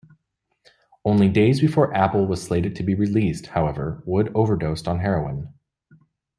Only days before "Apple" was slated to be released, however, Wood overdosed on heroin.